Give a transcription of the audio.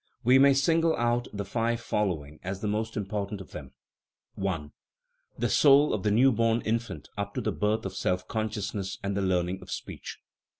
We may single out the five following as the most important of them : I. The soul of the new born infant up to the birth of self consciousness and the learning of speech.